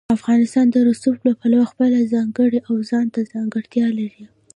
افغانستان د رسوب له پلوه خپله ځانګړې او ځانته ځانګړتیا لري.